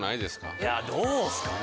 いやどうっすかね。